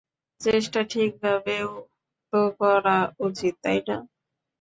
চেষ্টা ঠিকঠাকভাবেও তো করা উচিত, তাই না!